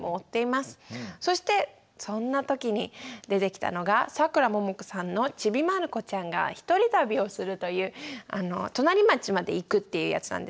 そしてそんな時に出てきたのがさくらももこさんの「ちびまる子ちゃん」が一人旅をするというあの隣町まで行くっていうやつなんですけども。